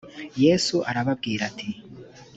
yesu arababwira ati